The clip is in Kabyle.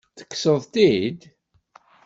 Tekkseḍ-t-id?